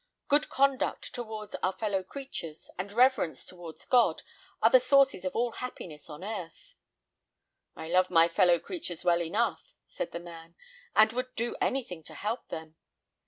Good conduct towards our fellow creatures, and reverence towards God, are the sources of all happiness on earth." "I love my fellow creatures well enough," said the man, "and would do anything to help them.